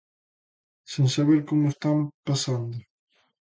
Sen saber como o están pasando.